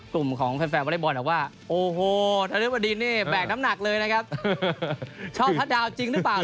กลุ่มของแฟนวัดได้มายอบ่าคะว่า